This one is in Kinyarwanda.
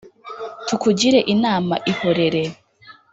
tukugire inama, ihorereee